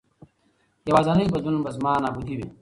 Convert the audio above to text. یوازېنی بدلون به زما نابودي وي.